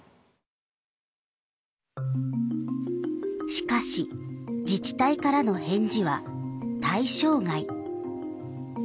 しかし自治体からの返事は「対象外」。